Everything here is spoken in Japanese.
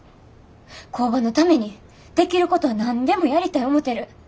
工場のためにできることは何でもやりたい思てる。